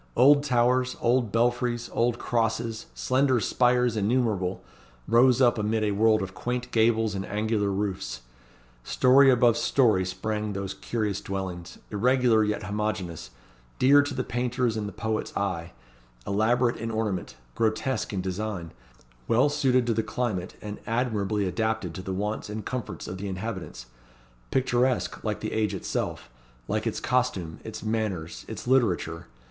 Old towers, old belfries, old crosses, slender spires innumerable, rose up amid a world of quaint gables and angular roofs. Story above story sprang those curious dwellings; irregular yet homogeneous; dear to the painter's and the poet's eye; elaborate in ornament; grotesque in design; well suited to the climate, and admirably adapted to the wants and comforts of the inhabitants; picturesque like the age itself, like its costume, its manners, its literature.